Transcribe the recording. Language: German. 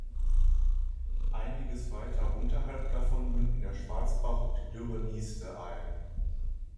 Einiges weiter unterhalb davon münden der Schwarzbach und die Dürre Nieste ein.